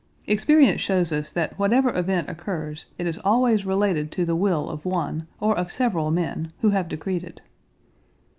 Experience shows us that whatever event occurs it is always related to the will of one or of several men who have decreed it.